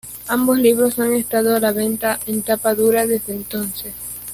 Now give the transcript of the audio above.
Ambos libros han estado a la venta en tapa dura desde entonces.